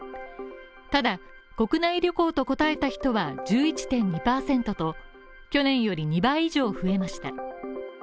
ただ、国内旅行と答えた人は１１．２％と、去年より２倍以上増えました。